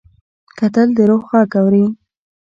کتل د روح غږ اوري